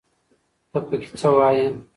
ته پکې څه وايې